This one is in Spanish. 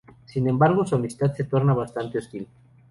Sin embargo, su amistad se torna bastante hostil.